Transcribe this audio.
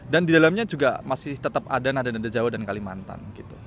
dan di dalamnya juga masih tetap ada nada nada jawa dan kalimantan gitu